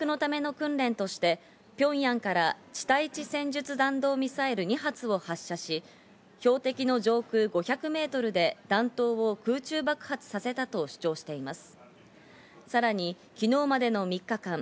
また昨日、教育のための訓練として、ピョンヤンから地対地戦術弾道ミサイル２発を発射し、標的の上空５００メートルで弾頭を空中爆発させたと主張しています。